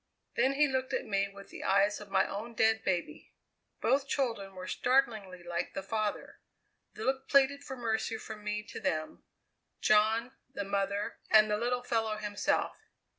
Then he looked at me with the eyes of my own dead baby. Both children were startlingly like the father. The look pleaded for mercy from me to them John, the mother, and the little fellow himself.